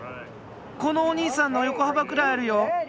このおにいさんの横幅くらいあるよ！